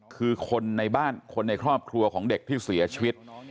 คือคนในบ้านคนในครอบครัวของเด็กที่เสียชีวิต